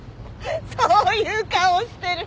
そういう顔してる。